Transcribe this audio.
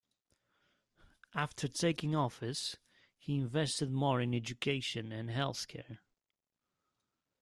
After taking office, he invested more in education and health care.